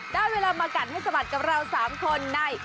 ได้เวลามากัดให้สะบัดกับเรา๓คนใน